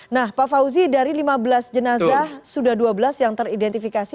nah pak fauzi dari lima belas jenazah sudah dua belas yang teridentifikasi